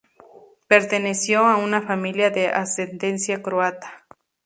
Perteneció a una familia de ascendencia croata.